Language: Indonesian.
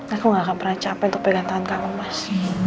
aku ngakak berantakan untuk pelantangan kamu mas